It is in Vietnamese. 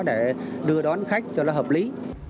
để đưa đón khách cho nó hợp lý